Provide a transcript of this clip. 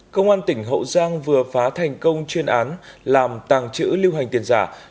công an tỉnh hậu giang vừa phá thành công chuyên án làm tàng trữ lưu hành tiền giả